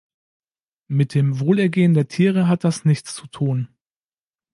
Mit dem Wohlergehen der Tiere hat das nichts zu tun.